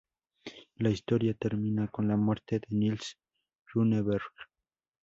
La historia termina con la muerte de Nils Runeberg.